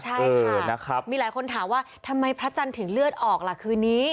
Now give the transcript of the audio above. ใช่ค่ะนะครับมีหลายคนถามว่าทำไมพระจันทร์ถึงเลือดออกล่ะคืนนี้